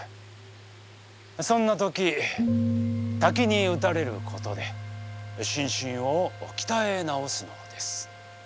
そんなとき滝に打たれることで心身を鍛え直すのです。